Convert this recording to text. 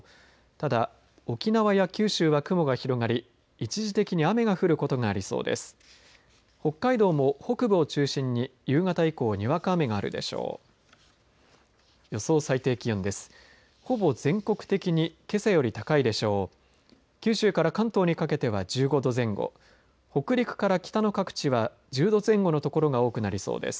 ただ、沖縄や九州は雲が広がり一時的に雨が降ることがありそうです。